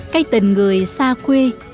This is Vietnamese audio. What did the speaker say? cây tình người xa quê